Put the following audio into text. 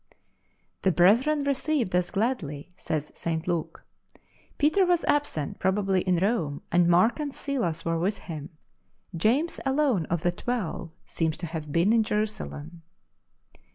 " The brethren received us gladly," says St. Luke. Peter was absent, probably in Rome, and Mark and Silas were with him. James alone of the Twelve seems to have been in Jerusalem.